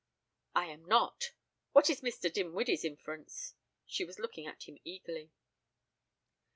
"I am not. What is Mr. Dinwiddie's inference?" She was looking at him eagerly.